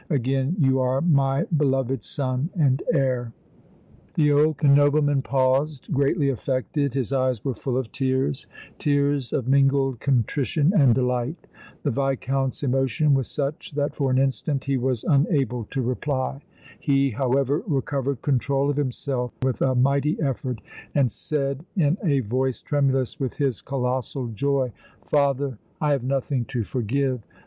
Again you are my beloved son and heir." The old nobleman paused, greatly affected; his eyes were full of tears, tears of mingled contrition and delight. The Viscount's emotion was such that for an instant he was unable to reply. He, however, recovered control of himself with a mighty effort, and said, in a voice tremulous with his colossal joy: "Father, I have nothing to forgive.